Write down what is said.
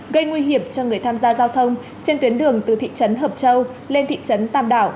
gây nguy hiểm cho người tham gia giao thông trên tuyến đường từ thị trấn hợp châu lên thị trấn tam đảo